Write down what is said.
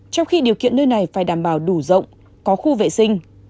trong khi điều kiện nơi này phải đảm bảo đủ rộng có khu vệ sinh